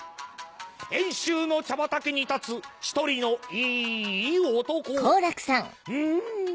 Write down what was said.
遠州の茶畑に立つ一人のいい男。